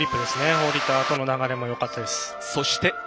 降りたあとの流れもよかったです。